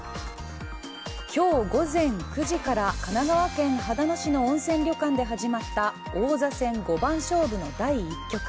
今日午前９時から神奈川県秦野市の温泉旅館で始まった王座戦五番勝負の第１局。